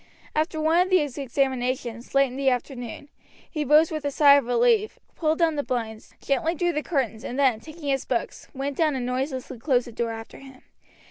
After one of these examinations, late in the afternoon, he rose with a sigh of relief, pulled down the blinds, gently drew the curtains, and then, taking his books, went down and noiselessly closed the door after him.